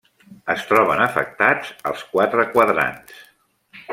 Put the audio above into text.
Es troben afectats els quatre quadrants.